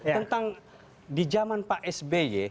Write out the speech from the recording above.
tentang di zaman pak sby